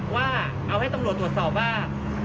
ว่าเอาให้ตำรวจตรวจสอบว่า